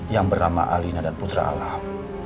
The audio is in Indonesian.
yang bernama alina dan putra alam